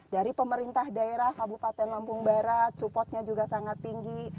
dari pemerintah daerah kabupaten lampung barat supportnya juga sangat tinggi